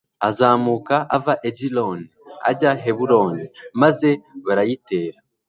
azamuka ava i egiloni, ajya i heburoni, maze barayitera